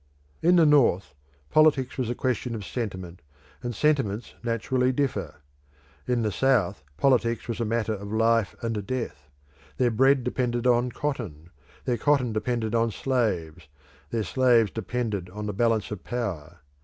In the North politics was a question of sentiment, and sentiments naturally differ. In the South politics was a matter of life and death; their bread depended on cotton; their cotton depended on slaves; their slaves depended on the balance of power.